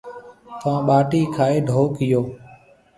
ٿون ٻاٽِي کائي ڍئو ڪيئو۔